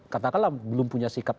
katakanlah belum punya sikap